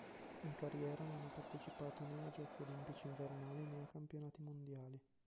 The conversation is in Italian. In carriera non ha partecipato né a Giochi olimpici invernali né a Campionati mondiali.